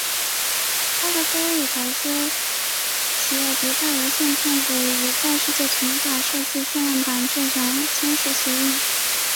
拉格斐与投资企业迪拜无限控股以在世界群岛设计限量版住宅签署协议。